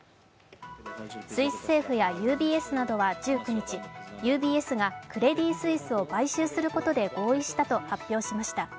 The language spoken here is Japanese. スイス政府やＵＢＳなどは１９日、ＵＢＳがクレディ・スイスを買収することで合意したと発表しました。